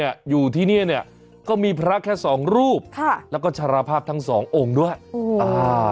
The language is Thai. อยู่ที่นี่เนี่ยก็มีพระแค่สองรูปแล้วก็ชาราภาพทั้ง๒องค์ด้วยเรายัง